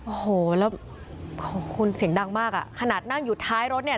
โอ้โหแล้วของคุณเสียงดังมากอ่ะขนาดนั่งอยู่ท้ายรถเนี่ย